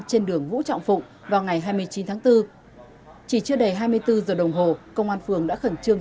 trên đường vũ trọng phụng vào ngày hai mươi chín tháng bốn chỉ chưa đầy hai mươi bốn giờ đồng hồ công an phường đã khẩn trương